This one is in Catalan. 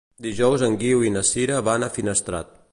Dijous en Guiu i na Sira van a Finestrat.